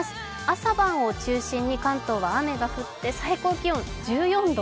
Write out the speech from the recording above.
朝晩を中心に関東は雨が降って最高気温１４度。